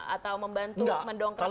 atau membantu mendongkak nama